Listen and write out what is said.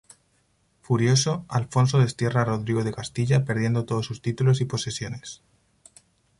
Furioso, Alfonso destierra a Rodrigo de Castilla perdiendo todos sus títulos y posesiones.